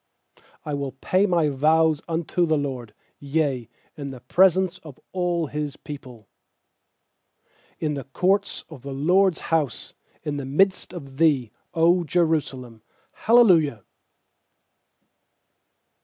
18I will pay my vows unto the LORD, Yea, in the presence of all His people; 19In the courts of the LORD'S house, In the midst of thee, 0 Jerusalem. Hallelujah.